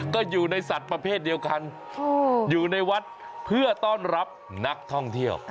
ก็อยู่ในสัตว์ประเภทเดียวกันอยู่ในวัดเพื่อต้อนรับนักท่องเที่ยว